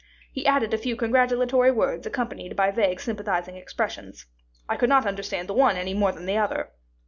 He added a few congratulatory words accompanied by vague sympathizing expressions. I could not understand the one any more than the other.